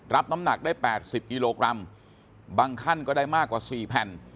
รับน้ำหนักได้๘๐กิโลกรัมบางขั้นก็ได้มากกว่า๔แผ่น